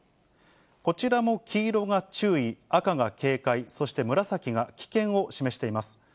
こちらも黄色が注意、赤が警戒、そして紫が危険を示しています。